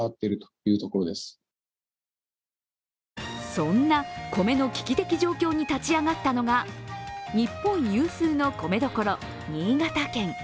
そんな米の危機的状況に立ち上がったのが日本有数の米どころ、新潟県。